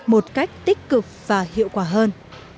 một cách tích cực và hiệu quả hơn